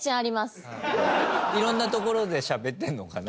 色んなところでしゃべってるのかな？